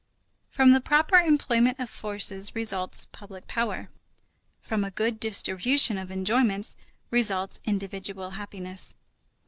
From the proper employment of forces results public power. From a good distribution of enjoyments results individual happiness.